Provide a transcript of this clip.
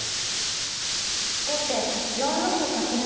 後手４六角成。